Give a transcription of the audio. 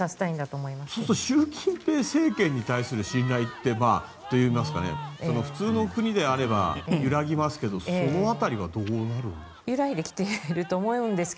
そうすると習近平政権に対する信頼といいますか普通の国であれば揺らぎますけどその辺りはどうなるんですか？